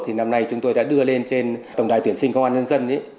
thì năm nay chúng tôi đã đưa lên trên tổng đài tuyển sinh công an nhân dân